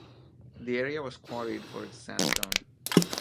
The area was quarried for its sandstone.